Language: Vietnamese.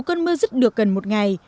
cơn mưa dứt được gần một ngày